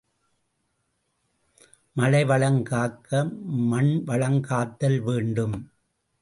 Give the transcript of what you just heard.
மழை வளம் காக்க மண் வளம் காத்தல் வேண்டும்.